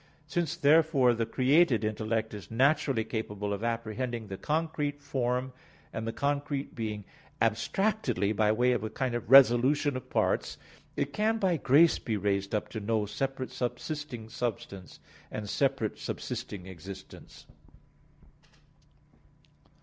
Since therefore the created intellect is naturally capable of apprehending the concrete form, and the concrete being abstractedly, by way of a kind of resolution of parts; it can by grace be raised up to know separate subsisting substance, and separate subsisting existence.